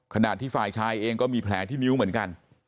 ขณะที่ฝ่ายชายเองก็มีแผลที่นิ้วเหมือนกัน